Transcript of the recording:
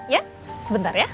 ya sebentar ya